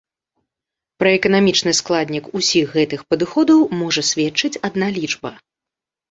Пра эканамічны складнік усіх гэтых падыходаў можа сведчыць адна лічба.